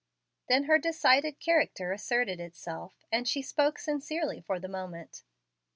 Then her decided character asserted itself, and she spoke sincerely for the moment.